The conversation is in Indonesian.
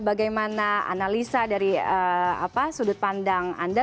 bagaimana analisa dari sudut pandang anda